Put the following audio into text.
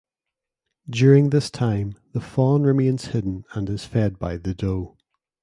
During this time, the fawn remains hidden and is fed by the doe.